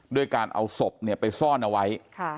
ด้วยการเอาศพไปซ่อนเอาไว้